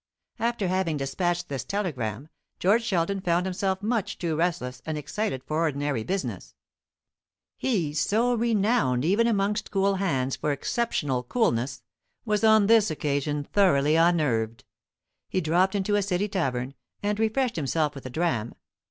After having despatched this telegram, George Sheldon found himself much too restless and excited for ordinary business. He, so renowned even amongst cool hands for exceptional coolness, was on this occasion thoroughly unnerved. He dropped into a City tavern, and refreshed himself with a dram.